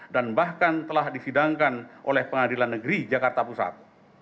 dan bahkan telah disidangkan oleh pengadilan negeri jakarta pusat